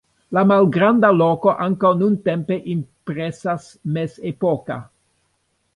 La malgranda loko ankaŭ nuntempe impresas mezepoka.